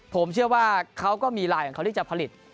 ผมเชื่อว่าเขาก็มีไลน์ของเขาที่จะผลิต